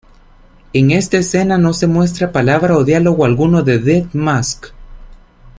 En esta escena no se muestra palabra o diálogo alguno de Death Mask.